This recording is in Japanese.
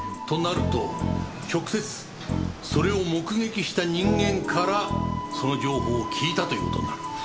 となると直接それを目撃した人間からその情報を聞いたという事になる。